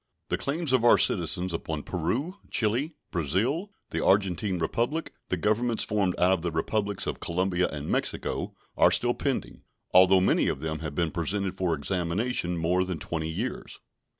The claims of our citizens upon Peru, Chili, Brazil, the Argentine Republic, the Governments formed out of the Republics of Colombia and Mexico, are still pending, although many of them have been presented for examination more than twenty years.